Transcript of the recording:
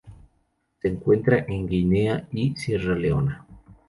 Se encuentra en Guinea y Sierra Leona.